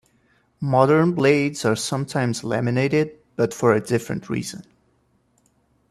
Modern blades are sometimes laminated, but for a different reason.